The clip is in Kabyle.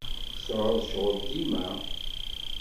Tseɛɛuḍ ccɣel dima?